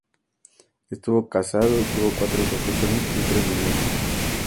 Estuvo casado y tuvo cuatro hijos, ocho nietos y tres bisnietos.